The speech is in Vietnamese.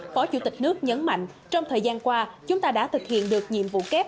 phó chủ tịch nước nhấn mạnh trong thời gian qua chúng ta đã thực hiện được nhiệm vụ kép